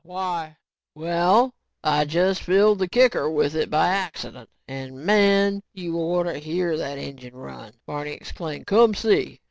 "Yeh, why?" "Well, I just filled the kicker with it by accident, and man, you orter hear that engine run," Barney exclaimed. "Come see."